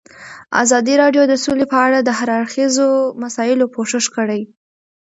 ازادي راډیو د سوله په اړه د هر اړخیزو مسایلو پوښښ کړی.